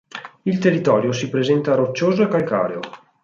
Il territorio si presenta roccioso e calcareo.